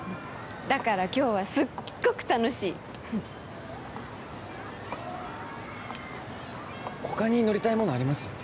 だから今日はすっごく楽しい他に乗りたいものあります？